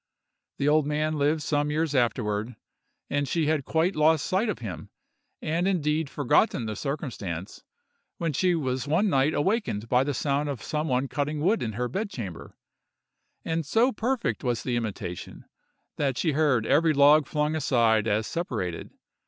The old man lived some years afterward, and she had quite lost sight of him, and indeed forgotten the circumstance, when she was one night awakened by the sound of some one cutting wood in her bed chamber; and so perfect was the imitation, that she heard, every log flung aside as separated.